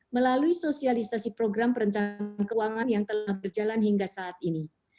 melalui sosialisasi program perencanaan keuangan yang telah berjalan hingga saat ini